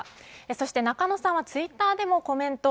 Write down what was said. そして中野さんはツイッターでもコメント。